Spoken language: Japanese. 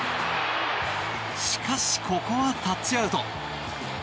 しかし、ここはタッチアウト。